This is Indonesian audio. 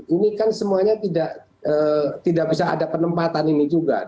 ini kan semuanya tidak bisa ada penempatan ini juga